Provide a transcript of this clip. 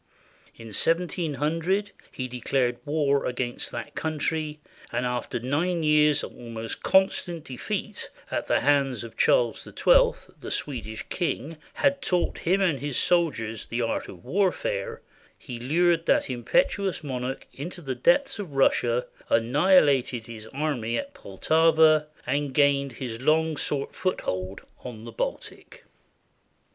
In 1700 he declared war against that country, and after nine years of almost constant defeat at the hands of Charles XII, the Swedish king, had taught him and his soldiers the art of warfare, he lured that impetuous monarch into the depths of Russia, annihilated his army at Poltava, and gained his long sought foothold on the Baltic.